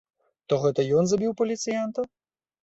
То гэта ён забіў паліцыянта?